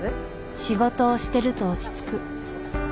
仕事をしてると落ち着く